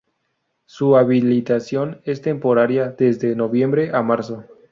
Su habilitación es temporaria desde noviembre a marzo.